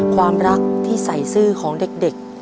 ความรักที่ใส่ซื่อของเด็ก